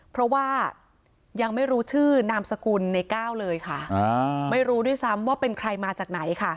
เพราะว่ายังไม่รู้ชื่อนามสกุลในก้าวเลยค่ะไม่รู้ด้วยซ้ำว่าเป็นใครมาจากไหนค่ะ